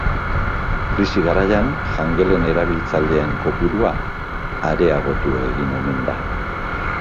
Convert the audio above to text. Krisi garaian jangelen erabiltzaileen kopurua areagotu egin omen da.